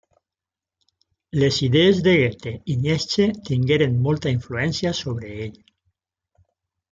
Les idees de Goethe i Nietzsche tingueren molta influència sobre ell.